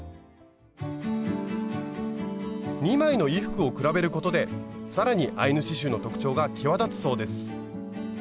２枚の衣服を比べることで更にアイヌ刺しゅうの特徴が際立つそうです。